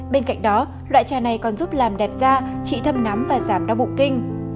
bên cạnh đó loại trà này còn giúp làm đẹp da trị thâm nắm và giảm đau bụng kinh